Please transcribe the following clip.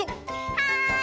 はい！